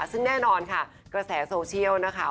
ซึ่งแน่นอนค่ะกระแสโซเชียลนะคะ